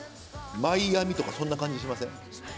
マイアミとかそんな感じしません？